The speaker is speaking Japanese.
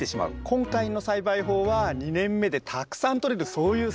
今回の栽培法は２年目でたくさんとれるそういう栽培法です。